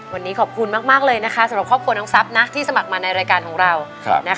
วันนี้ขอบคุณมากเลยนะคะสำหรับครอบครัวน้องทรัพย์ที่สมัครมาในรายการของเรา